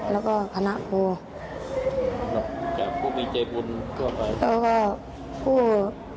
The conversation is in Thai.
แล้วก็คณะครูแล้วก็ผู้